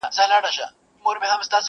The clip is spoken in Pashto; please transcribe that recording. لکه اسمان چي له ملیاره سره لوبي کوي!!